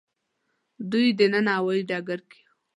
دوی دننه هوايي ډګر کې وو.